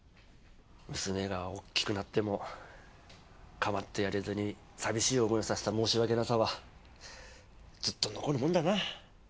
娘が大きくなっても構ってやれずに寂しい思いをさせた申し訳なさはずっと残るもんだな。